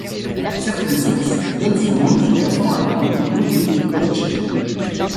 Certaines sources donnent son nom sous la forme allemande, Ludwig Bödtcher.